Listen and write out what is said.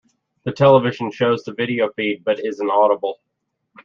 The television shows the video feed but is inaudible.